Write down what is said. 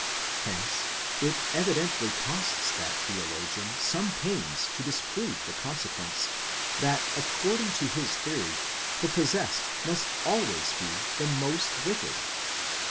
Hence it evidently costs that theologian some pains to disprove the consequence, that according to his theory the possessed must always be the most wicked.